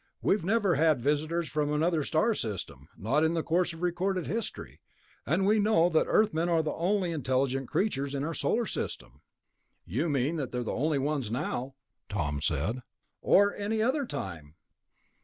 "We've never had visitors from another star system ... not in the course of recorded history. And we know that Earthmen are the only intelligent creatures in our Solar System." "You mean that they're the only ones now," Tom said. "Or any other time."